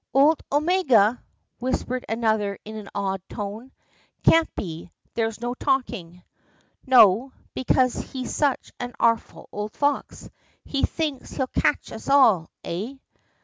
"Old Omega!" whispered another in an awed tone. "Can't be; there's no talking." "No, because he's such an artful old fox; he thinks he'll catch us all! Eh?"